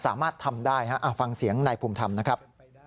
สามารถทำได้ฟังเสียงนายภูมิธรรมนะครับ